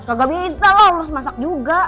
gak bisa lah lu harus masak juga